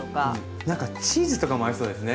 なんかチーズとかも合いそうですね。